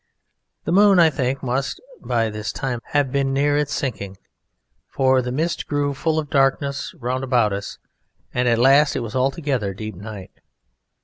The moon, I think, must by this time have been near its sinking, for the mist grew full of darkness round about us, and at last it was altogether deep night.